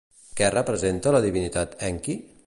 Què representa la divinitat Enki?